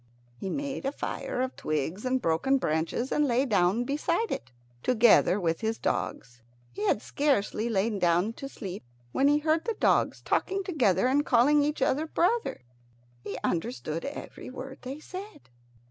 He made a fire of twigs and broken branches, and lay down beside it, together with his dogs. He had scarcely lain down to sleep when he heard the dogs talking together and calling each other "Brother." He understood every word they said.